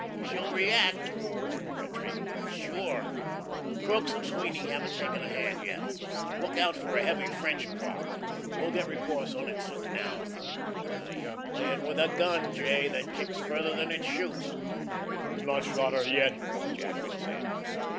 "She'll react," warned Gretry, "sure. Crookes and Sweeny haven't taken a hand yet. Look out for a heavy French crop. We'll get reports on it soon now. You're playing with a gun, J., that kicks further than it shoots." "We've not shot her yet," Jadwin said.